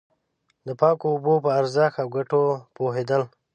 د پاکو اوبو په ارزښت او گټو پوهېدل.